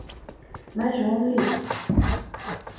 Мыйже ом лӱд...